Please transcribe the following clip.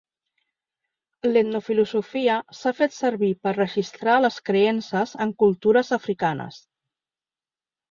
L'etnofilosofia s'ha fet servir per registrar les creences en cultures africanes.